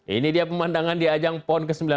ini dia pemandangan di ajang pon ke sembilan belas